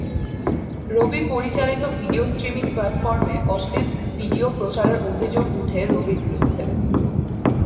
রবি পরিচালিত video streaming platform এ অশ্লীল ভিডিও প্রচারের অভিযোগ উঠে রবির বিরুধ্যে।